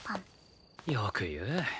よく言う。